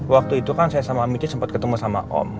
waktu itu kan saya sama miji sempat ketemu sama om